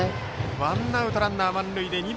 ワンアウトランナー満塁でバッター